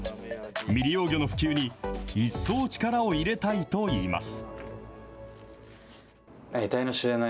未利用魚の普及に、一層力を入れたいといいます。